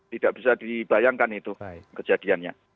tidak bisa dibayangkan itu kejadiannya